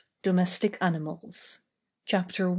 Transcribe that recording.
DOMESTIC ANIMALS. CHAPTER I.